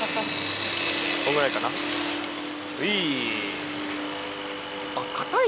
こんぐらいかなはい。